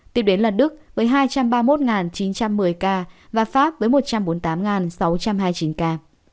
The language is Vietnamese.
tiếp đến là đức với hai trăm ba mươi một chín trăm một mươi ca và pháp với một trăm bốn mươi tám sáu trăm hai mươi chín ca